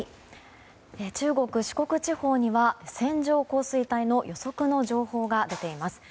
中国・四国地方には線状降水帯の予測の情報が出ています。